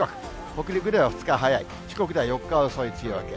北陸では２日早い、四国では４日遅い梅雨明け。